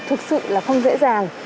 thực sự là không dễ dàng